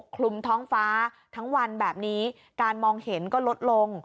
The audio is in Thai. คลุมท้องฟ้าทั้งวันแบบนี้การมองเห็นก็ลดลง